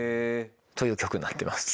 という曲になってます。